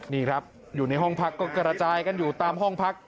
นี่ครับอยู่ในห้องพักก็กระจายกันอยู่ตามห้องพัก